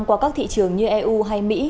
qua các thị trường như eu hay mỹ